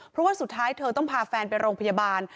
เพราะว่าสุดท้ายเธอต้องพาแฟนไปโรงพยาบาล